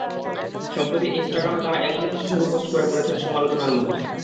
সম্প্রতি ইনস্টাগ্রামে তাঁরা এমনই কিছু ছবি পোস্ট করে পড়েছেন সমালোচনার মুখে।